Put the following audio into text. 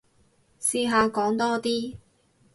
試下講多啲